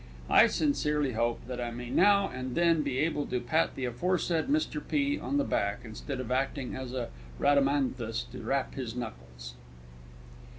I sincerely hope that I may now and then be able to pat the aforesaid Mr P. on the back instead of acting as a Rhadamanthus to rap his knuckles.